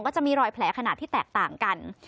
จะมีรอยแผลขนาดที่แตกต่างกัน